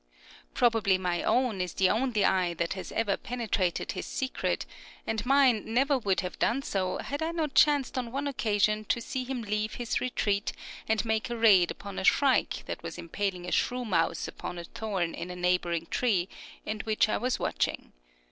Probably my own is the only eye that has ever penetrated his secret, and mine never would have done so had I not chanced on one occasion to see him leave his retreat and make a raid upon a shrike that was impaling a shrew mouse upon a thorn in a neighboring tree, and which I was watching.